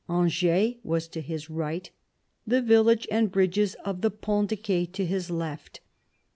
Angers was to his right ; the village and bridges of the Ponts de Ce to his left.